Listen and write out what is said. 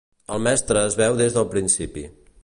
El mestre es veu des del principi.